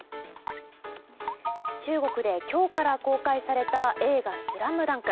中国で今日から公開された映画「ＳＬＡＭＤＵＮＫ」。